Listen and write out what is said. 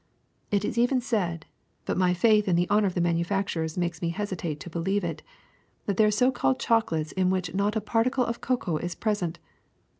It is even said — but my faith in the honor of the manufacturers makes me hesitate to believe it — that there are so called chocolates in which not a particle of cocoa is present.